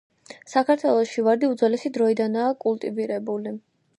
საქართველოში ვარდი უძველესი დროიდანაა კულტივირებული.